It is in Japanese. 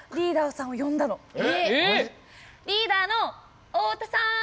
えっ？リーダーの太田さん！